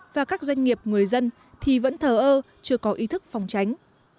và các doanh nghiệp người dân thì vẫn thờ ơ chưa có ý thức phòng tránh